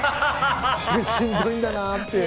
しんどいんだなって。